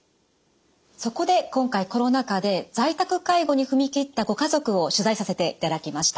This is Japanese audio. そこで今回コロナ禍で在宅介護に踏み切ったご家族を取材させていただきました。